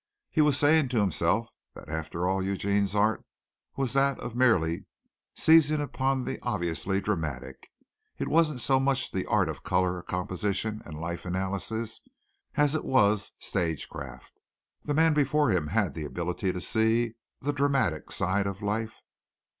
He was saying to himself that after all Eugene's art was that of merely seizing upon the obviously dramatic. It wasn't so much the art of color composition and life analysis as it was stage craft. The man before him had the ability to see the dramatic side of life.